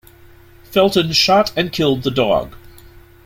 Felton shot and killed the dog.